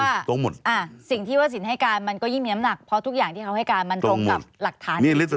เพราะทุกอย่างที่เขาให้การมันตรงกับหลักฐานอื่นด้วยตรงหมด